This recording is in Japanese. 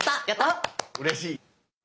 うれしい。